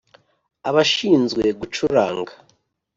Abashinzwe gucuranga